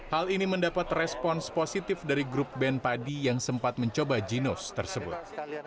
hal ini mendapat respons positif dari grup band padi yang sempat mencoba ginos tersebut